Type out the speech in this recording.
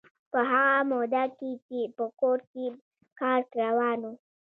په هغه موده کې چې په کور کې کار روان و.